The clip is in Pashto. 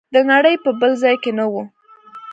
د نړۍ په بل ځای کې نه و.